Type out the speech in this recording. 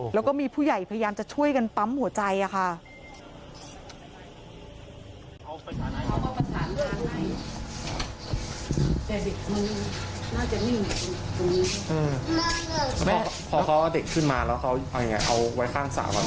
แล้วก็มีผู้ใหญ่พยายามจะช่วยกันปั๊มหัวใจค่ะ